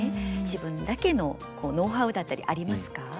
自分だけのこうノウハウだったりありますか？